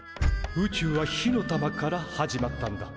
宇宙は火の玉から始まったんだ。